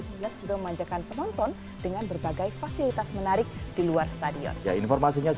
dua ribu sembilan belas juga memanjakan penonton dengan berbagai fasilitas menarik di luar stadion informasinya